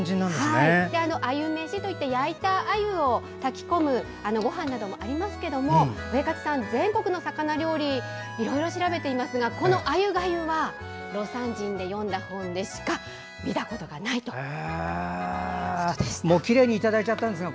あゆ飯といって焼いたあゆを炊き込むごはんなどもありますけどもウエカツさん、全国の魚料理をいろいろ調べていますがこのあゆがゆは魯山人の本で読んだものでしか見たことがないということでした。